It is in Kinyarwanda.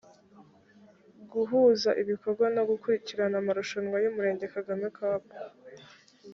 guhuza ibikorwa no gukurikirana amarushanwa y umurenge kagame cup